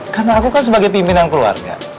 karena aku kan sebagai pimpinan keluarga